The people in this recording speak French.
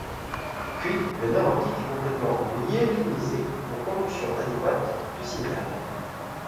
Puis, le nerf optique est complètement myélinisé pour conduction adéquate du signal.